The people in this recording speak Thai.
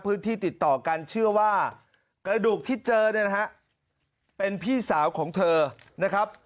ติดต่อกันเชื่อว่ากระดูกที่เจอเนี่ยนะฮะเป็นพี่สาวของเธอนะครับ